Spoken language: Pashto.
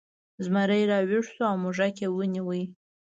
زمری راویښ شو او موږک یې ونیو.